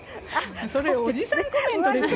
それおじさんコメントですよ。